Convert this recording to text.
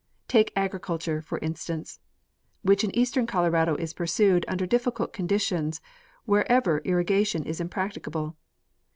Take agriculture, for instance, which in eastern Colorado is pursued under difficult conditions wherever irrigation is impracticable.